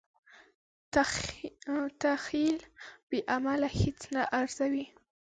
تخیل بې عمله هیڅ نه ارزوي.